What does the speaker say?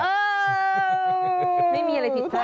ไม่มีอะไรผิดพลาด